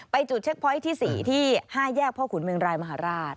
จุดเช็คพอยต์ที่๔ที่๕แยกพ่อขุนเมืองรายมหาราช